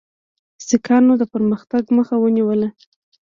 سیکهانو د پرمختګ مخه ونیوله.